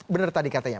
benar tadi katanya